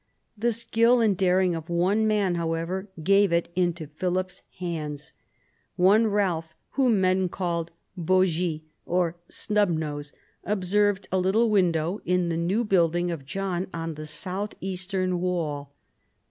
The skill and daring of one man, however, gave it into Philip's hands. One Ealph, whom men called Bogis, or Snub nose, observed a little window in the new building of John on the south eastern wall.